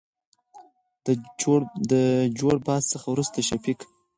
دجړبحث څخه ورورسته شفيق